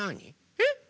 えっ？